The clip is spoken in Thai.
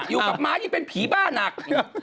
อยู่กับม้ายังเป็นผีบ้านัก